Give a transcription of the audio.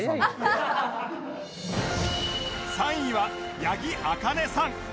３位は八木あかねさん